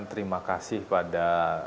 terima kasih pada